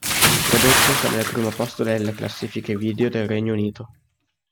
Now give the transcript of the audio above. Il prodotto sale al primo posto delle classifiche video del Regno Unito.